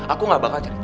aku gak bakal cari tanti